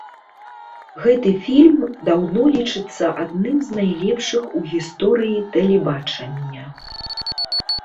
Гэты фільм даўно лічыцца адным з найлепшых у гісторыі тэлебачання.